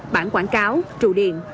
bản quảng cáo trụ điện